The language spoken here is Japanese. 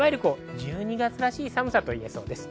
１２月らしい寒さと言えそうです。